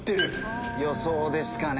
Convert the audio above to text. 予想ですかね。